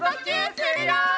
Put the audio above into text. するよ！